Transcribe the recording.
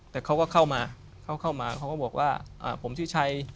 แต่เขาก็เข้ามาเขาก็บอกว่าผมชื่อชัย